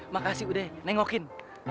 makasih udah neng okin